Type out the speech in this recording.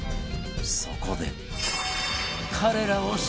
そこで彼らを招集